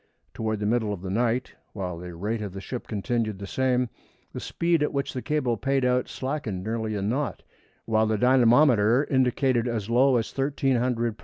Toward the middle of the night, while the rate of the ship continued the same, the speed at which the cable paid out slackened nearly a knot, while the dynamometer indicated as low as 1,300 lbs.